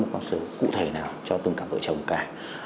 một con sứ cụ thể nào cho từng cặp vợ chồng cả